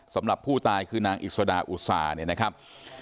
สำหรับผู้ตายคือนางอิสดาอุตสาเนี่ยนะครับ